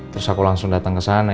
terus aku langsung dateng kesana